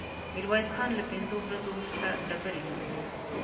ميرويس خان له پنځو ورځو وروسته ډبرې ليدلې.